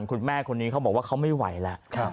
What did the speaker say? คุณแม่คนนี้เขาบอกว่าเขาไม่ไหวแล้ว